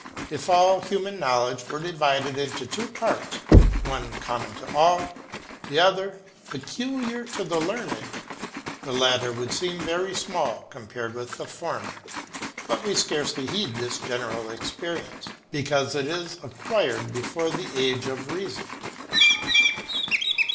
If all human knowledge were divided into two parts, one common to all, the other peculiar to the learned, the latter would seem very small compared with the former. But we scarcely heed this general experience, because it is acquired before the age of reason.